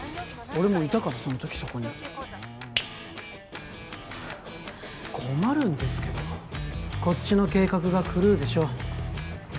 俺もいたからその時そこに困るんですけどこっちの計画が狂うでしょ